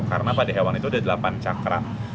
karena pada hewan itu ada delapan cakra